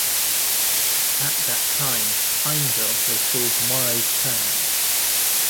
At that time 'Pineville' was called 'Morrow's Turnout'.